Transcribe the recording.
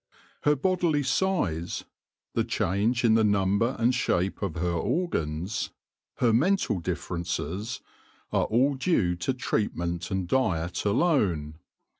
Her bodily size, the change in the number and shape of her organs, her mental differences, are all due to treatment and diet alone.